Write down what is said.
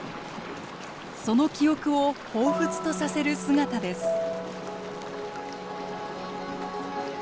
その記憶をほうふつとさせる姿です。